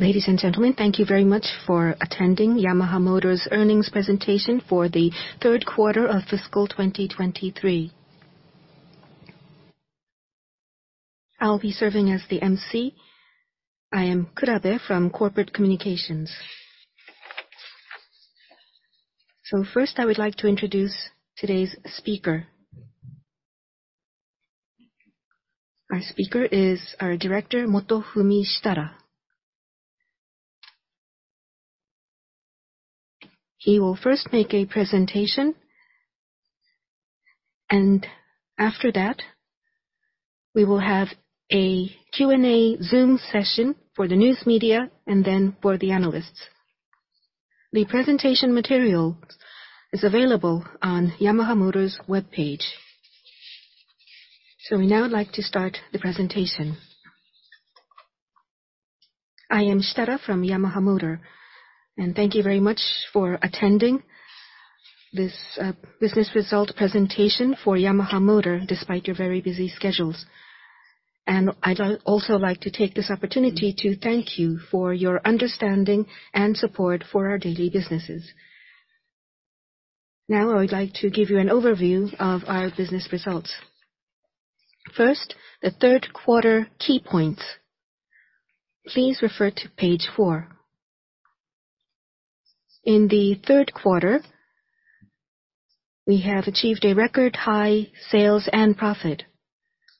Ladies and gentlemen, thank you very much for attending Yamaha Motor's earnings presentation for the third quarter of fiscal year 2023. I'll be serving as the MC. I am Karube from Corporate Communications. First, I would like to introduce today's speaker. Our speaker is our Director, Motofumi Shitara. He will first make a presentation, and after that, we will have a Q&A Zoom session for the news media, and then for the analysts. The presentation material is available on Yamaha Motor's webpage. We now would like to start the presentation. I am Shitara from Yamaha Motor, and thank you very much for attending this business result presentation for Yamaha Motor, despite your very busy schedules. I'd also like to take this opportunity to thank you for your understanding and support for our daily businesses. Now, I would like to give you an overview of our business results. First, the third quarter key points. Please refer to page four. In the third quarter, we have achieved a record-high sales and profit.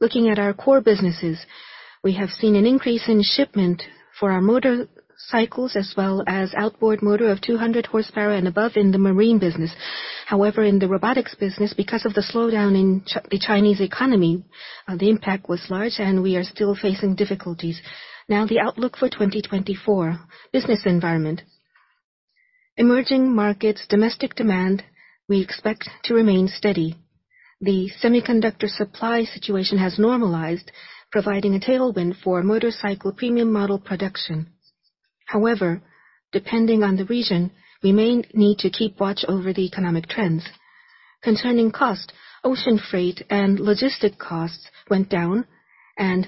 Looking at our core businesses, we have seen an increase in shipment for our motorcycles, as well as outboard motor of 200 horsepower and above in the marine business. However, in the robotics business, because of the slowdown in the Chinese economy, the impact was large, and we are still facing difficulties. Now, the outlook for 2024. Business environment. Emerging markets, domestic demand, we expect to remain steady. The semiconductor supply situation has normalized, providing a tailwind for motorcycle premium model production. However, depending on the region, we may need to keep watch over the economic trends. Concerning cost, ocean freight and logistic costs went down, and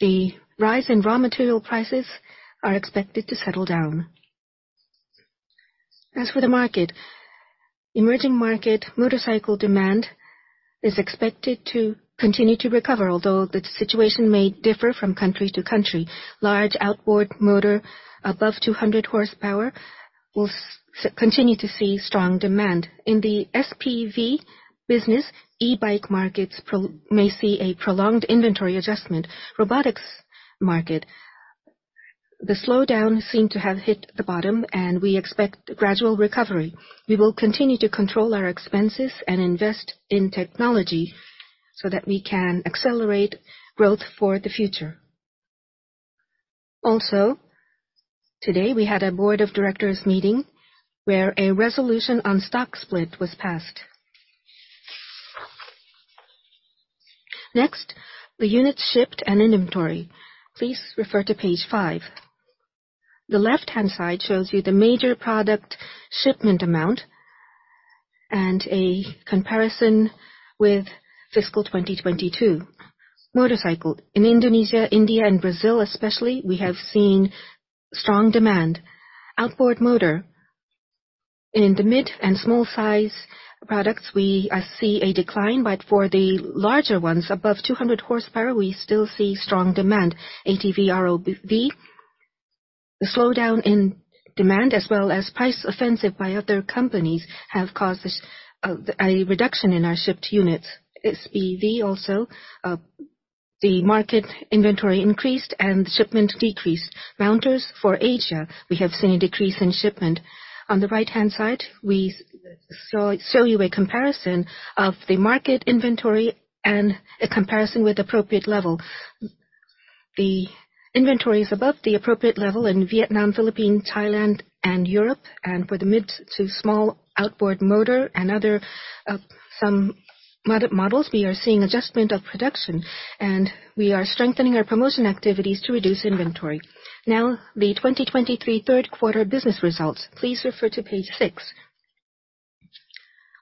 the rise in raw material prices are expected to settle down. As for the market, emerging market motorcycle demand is expected to continue to recover, although the situation may differ from country to country. Large outboard motor above 200 horsepower will continue to see strong demand. In the SPV business, e-bike markets may see a prolonged inventory adjustment. Robotics market, the slowdown seemed to have hit the bottom, and we expect a gradual recovery. We will continue to control our expenses and invest in technology so that we can accelerate growth for the future. Also, today, we had a Board of Directors meeting, where a resolution on stock split was passed. Next, the units shipped and inventory. Please refer to page five. The left-hand side shows you the major product shipment amount and a comparison with fiscal year 2022. Motorcycle. In Indonesia, India, and Brazil, especially, we have seen strong demand. Outboard motor. In the mid and small size products, we see a decline, but for the larger ones, above 200 horsepower, we still see strong demand. ATV/ROV, the slowdown in demand as well as price offensive by other companies, have caused this a reduction in our shipped units. SPV also, the market inventory increased and shipment decreased. Mounters for Asia, we have seen a decrease in shipment. On the right-hand side, we show you a comparison of the market inventory and a comparison with appropriate level. The inventory is above the appropriate level in Vietnam, Philippines, Thailand, and Europe. And for the mid to small outboard motor and other, some models, we are seeing adjustment of production, and we are strengthening our promotion activities to reduce inventory. Now, the 2023 third quarter business results. Please refer to page six.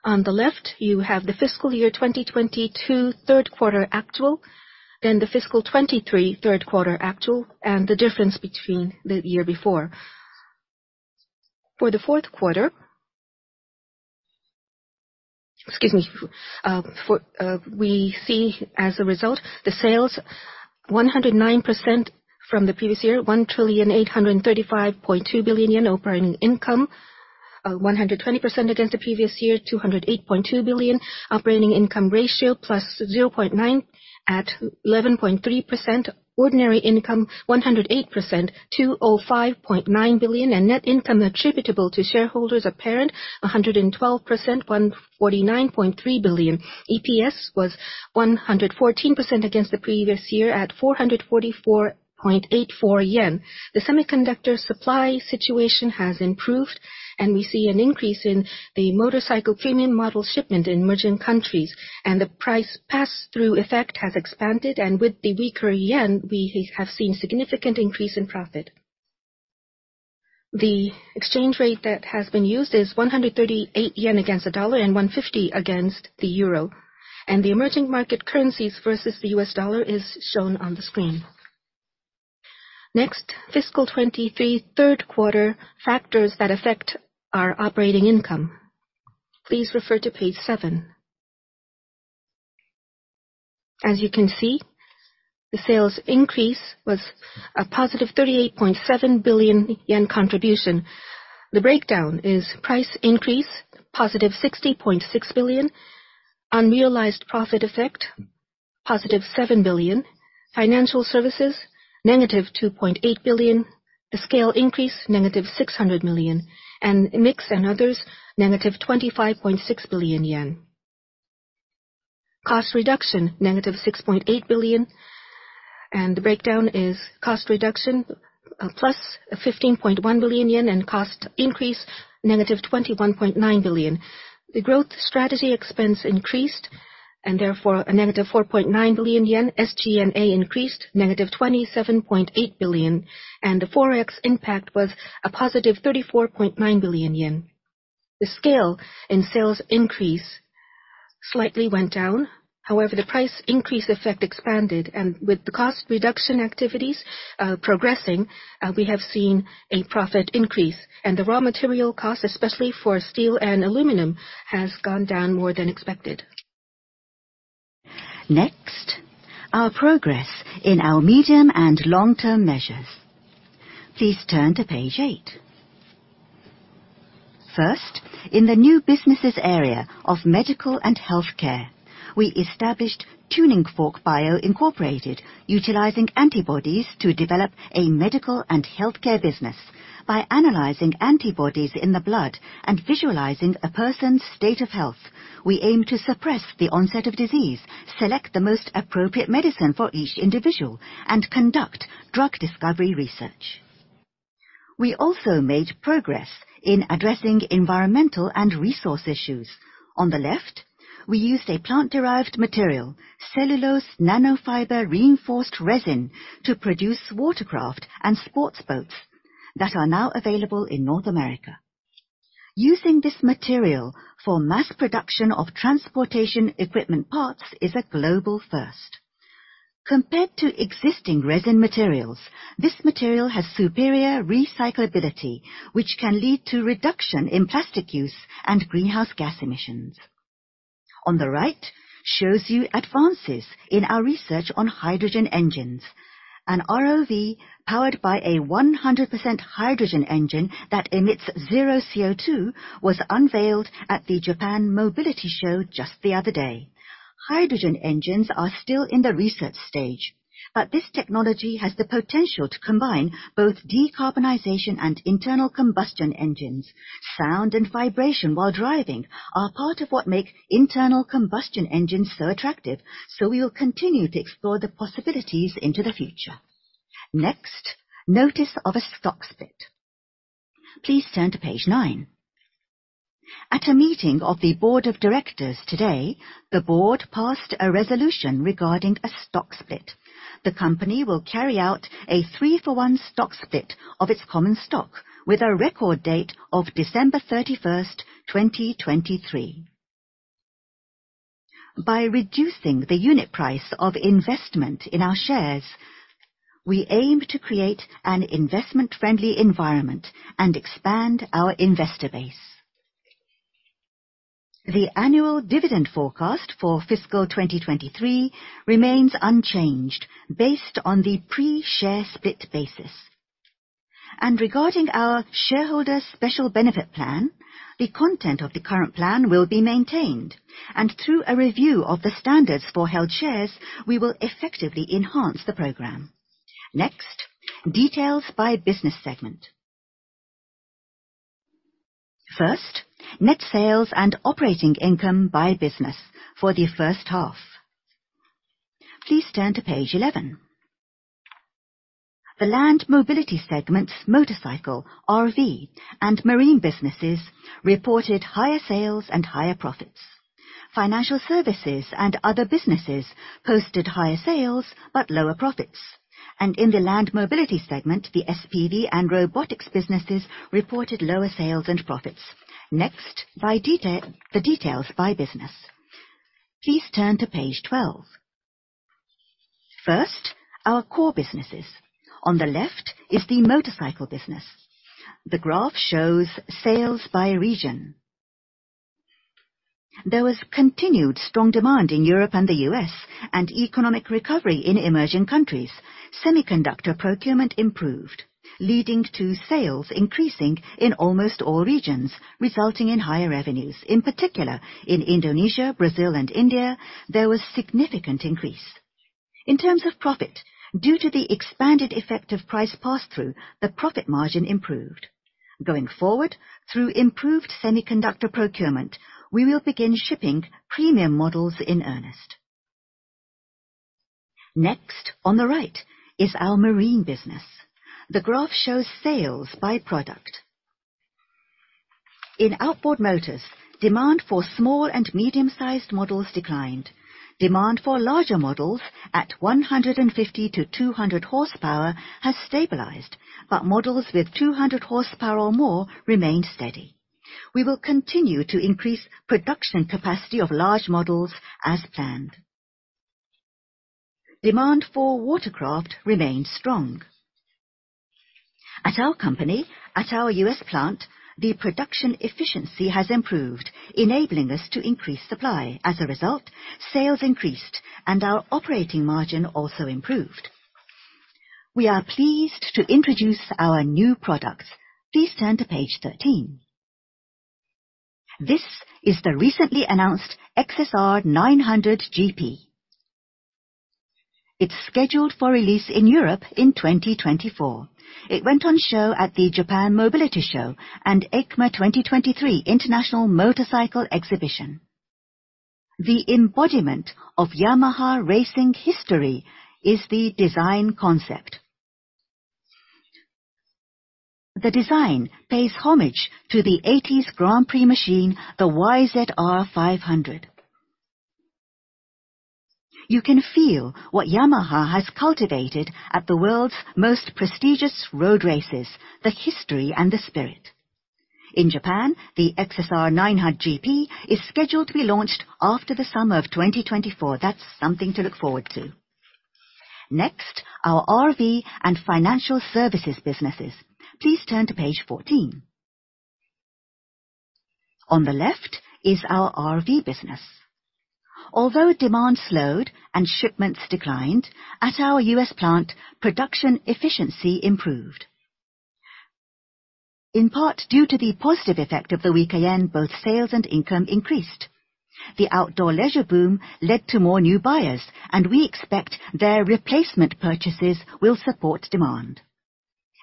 On the left, you have the fiscal year 2022 third quarter actual, then the fiscal year 2023 third quarter actual, and the difference between the year before. For the fourth quarter... Excuse me, for, we see as a result, the sales 109% from the previous year, 1,835.2 billion yen. Operating income, 120% against the previous year, 208.2 billion. Operating income ratio, +0.9 at 11.3%. Ordinary income, 108%, 205.9 billion. Net income attributable to shareholders of parent, 112%, 149.3 billion. EPS was 114% against the previous year, at 444.84 yen. The semiconductor supply situation has improved, and we see an increase in the motorcycle premium model shipment in emerging countries, and the price pass-through effect has expanded, and with the weaker yen, we have seen significant increase in profit. ...The exchange rate that has been used is 138 yen against the dollar and 150 against the euro, and the emerging market currencies versus the U.S. dollar is shown on the screen. Next, fiscal year 2023 third quarter factors that affect our operating income. Please refer to page seven. As you can see, the sales increase was a +38.7 billion yen contribution. The breakdown is price increase, +60.6 billion, unrealized profit effect, +7 billion, financial services, -2.8 billion, the scale increase, -600 million, and mix and others, -25.6 billion yen. Cost reduction, -6.8 billion, and the breakdown is cost reduction, plus 15.1 billion yen, and cost increase, -21.9 billion. The growth strategy expense increased, and therefore, -4.9 billion yen. SG&A increased -27.8 billion, and the Forex impact was +34.9 billion yen. The scale in sales increase slightly went down. However, the price increase effect expanded, and with the cost reduction activities, progressing, we have seen a profit increase. And the raw material cost, especially for steel and aluminum, has gone down more than expected. Next, our progress in our medium and long-term measures. Please turn to page eight. First, in the new businesses area of medical and healthcare, we established Tuning Fork Bio Incorporated, utilizing antibodies to develop a medical and healthcare business. By analyzing antibodies in the blood and visualizing a person's state of health, we aim to suppress the onset of disease, select the most appropriate medicine for each individual, and conduct drug discovery research. We also made progress in addressing environmental and resource issues. On the left, we used a plant-derived material, cellulose nanofiber-reinforced resin, to produce watercraft and sports boats that are now available in North America. Using this material for mass production of transportation equipment parts is a global first. Compared to existing resin materials, this material has superior recyclability, which can lead to reduction in plastic use and greenhouse gas emissions. On the right, shows you advances in our research on hydrogen engines. An ROV powered by a 100% hydrogen engine that emits zero CO2 was unveiled at the Japan Mobility Show just the other day. Hydrogen engines are still in the research stage, but this technology has the potential to combine both decarbonization and internal combustion engines. Sound and vibration while driving are part of what make internal combustion engines so attractive, so we will continue to explore the possibilities into the future. Next, notice of a stock split. Please turn to page nine. At a meeting of the Board of Directors today, the board passed a resolution regarding a stock split. The company will carry out a 3-for-1 stock split of its common stock with a record date of December 31, 2023. By reducing the unit price of investment in our shares, we aim to create an investment-friendly environment and expand our investor base. The annual dividend forecast for fiscal year 2023 remains unchanged based on the pre-share split basis. Regarding our shareholder special benefit plan, the content of the current plan will be maintained, and through a review of the standards for held shares, we will effectively enhance the program. Next, details by business segment. First, net sales and operating income by business for the first half. Please turn to page 11. The Land Mobility segment's motorcycle, RV, and marine businesses reported higher sales and higher profits. Financial services and other businesses posted higher sales but lower profits. In the Land Mobility segment, the SPV and robotics businesses reported lower sales and profits. Next, by detail, the details by business. Please turn to page 12. First, our core businesses. On the left is the motorcycle business. The graph shows sales by region. There was continued strong demand in Europe and the U.S. and economic recovery in emerging countries. Semiconductor procurement improved, leading to sales increasing in almost all regions, resulting in higher revenues. In particular, in Indonesia, Brazil, and India, there was significant increase. In terms of profit, due to the expanded effect of price pass-through, the profit margin improved. Going forward, through improved semiconductor procurement, we will begin shipping premium models in earnest. Next, on the right, is our marine business. The graph shows sales by product... In outboard motors, demand for small and medium-sized models declined. Demand for larger models at 150-200 horsepower has stabilized, but models with 200 horsepower or more remained steady. We will continue to increase production capacity of large models as planned. Demand for watercraft remained strong. At our company, at our U.S. plant, the production efficiency has improved, enabling us to increase supply. As a result, sales increased and our operating margin also improved. We are pleased to introduce our new products. Please turn to page 13. This is the recently announced XSR900 GP. It's scheduled for release in Europe in 2024. It went on show at the Japan Mobility Show and EICMA 2023 International Motorcycle Exhibition. The embodiment of Yamaha racing history is the design concept. The design pays homage to the eighties Grand Prix machine, the YZR500. You can feel what Yamaha has cultivated at the world's most prestigious road races, the history and the spirit. In Japan, the XSR900 GP is scheduled to be launched after the summer of 2024. That's something to look forward to. Next, our RV and financial services businesses. Please turn to page 14. On the left is our RV business. Although demand slowed and shipments declined, at our U.S. plant, production efficiency improved. In part, due to the positive effect of the weak yen, both sales and income increased. The outdoor leisure boom led to more new buyers, and we expect their replacement purchases will support demand.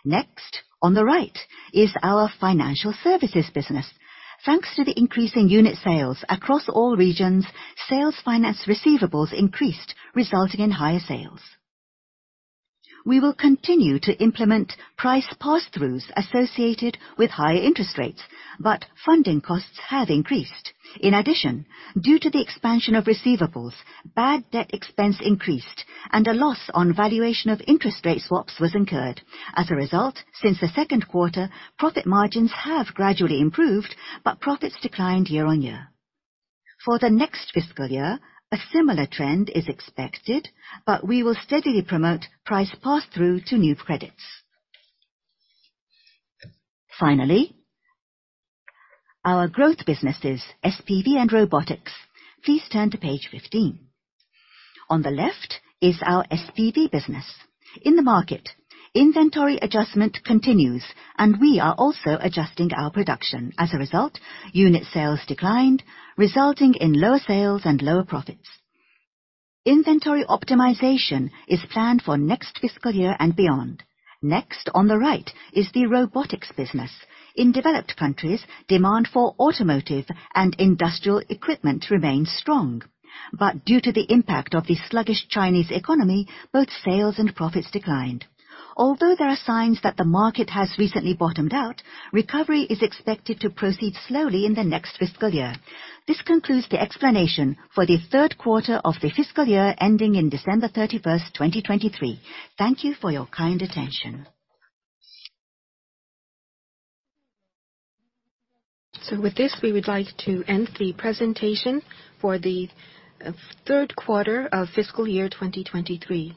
Next, on the right, is our financial services business. Thanks to the increase in unit sales across all regions, sales finance receivables increased, resulting in higher sales. We will continue to implement price pass-throughs associated with higher interest rates, but funding costs have increased. In addition, due to the expansion of receivables, bad debt expense increased and a loss on valuation of interest rate swaps was incurred. As a result, since the second quarter, profit margins have gradually improved, but profits declined year-on-year. For the next fiscal year, a similar trend is expected, but we will steadily promote price pass-through to new credits. Finally, our growth businesses, SPV and robotics. Please turn to page 15. On the left is our SPV business. In the market, inventory adjustment continues, and we are also adjusting our production. As a result, unit sales declined, resulting in lower sales and lower profits. Inventory optimization is planned for next fiscal year and beyond. Next, on the right, is the robotics business. In developed countries, demand for automotive and industrial equipment remains strong, but due to the impact of the sluggish Chinese economy, both sales and profits declined. Although there are signs that the market has recently bottomed out, recovery is expected to proceed slowly in the next fiscal year. This concludes the explanation for the third quarter of the fiscal year ending in December 31, 2023. Thank you for your kind attention. With this, we would like to end the presentation for the third quarter of fiscal year 2023.